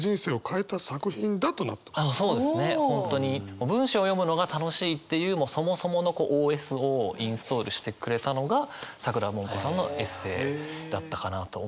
もう文章読むのが楽しいっていうもうそもそものＯＳをインストールしてくれたのがさくらももこさんのエッセーだったかなと思います。